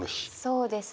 そうですね。